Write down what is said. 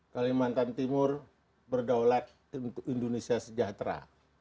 kalimantan timur berdaulat untuk indonesia sejahtera